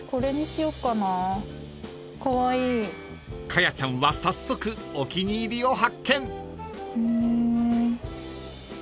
［かやちゃんは早速お気に入りを発見］